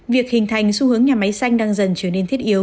việc hình thành xu hướng nhà máy xanh đang dần trở nên thiết yếu